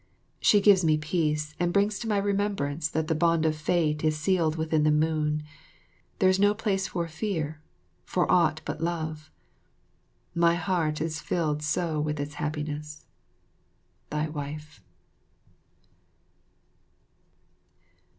She gives me peace and brings to my remembrance that the bond of fate is sealed within the moon. There is no place for fear, for aught but love; my heart is filled so with its happiness. Thy Wife.